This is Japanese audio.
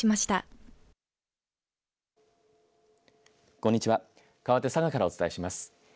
こんにちはかわって佐賀からお伝えします。